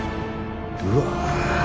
うわ。